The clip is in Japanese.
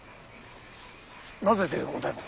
なぜでございます？